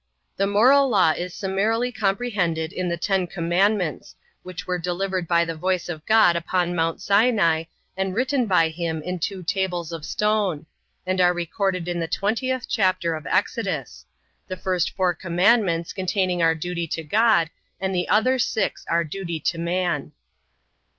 The moral law is summarily comprehended in the Ten Commandments, which were delivered by the voice of God upon mount Sinai, and written by him in two tables of stone; and are recorded in the twentieth chapter of Exodus; the four first commandments containing our duty to God, and the other six our duty to man.